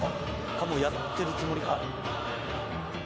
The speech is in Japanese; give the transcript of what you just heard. もうやってるつもりか？